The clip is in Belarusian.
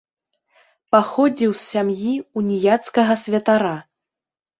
Паходзіў з сям'і ўніяцкага святара.